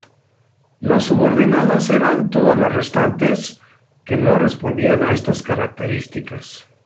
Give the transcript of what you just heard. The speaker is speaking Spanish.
Las subordinadas eran todas las restantes, que no respondían a estas características.